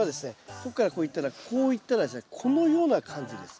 ここからこういったらこういったらですねこのような感じです。